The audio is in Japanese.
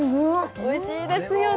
おいしいですよね